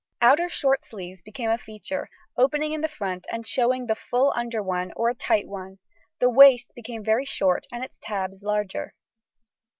Outer short sleeves became a feature, opening in the front, showing the full under one or a tight one; the waist became very short and its tabs larger.